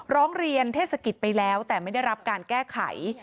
ร้องเรียนเทศกิจไปแล้วแต่ไม่ได้รับการแก้ไข